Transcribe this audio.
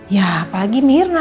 ya apalagi mirna